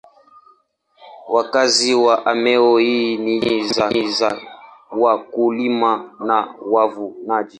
Wakazi wa eneo hili ni jamii za wakulima na wafugaji.